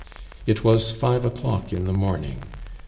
It was five o'clock in the morning.